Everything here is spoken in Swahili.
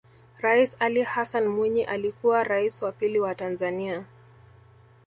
Rais Ali Hassan Mwinyi alikuwa Rais wa pili wa Tanzania